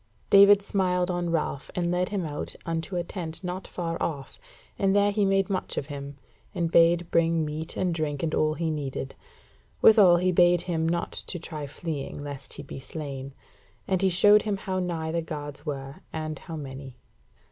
David smiled on Ralph and led him out unto a tent not far off, and there he made much of him, and bade bring meat and drink and all he needed. Withal he bade him not to try fleeing, lest he be slain; and he showed him how nigh the guards were and how many.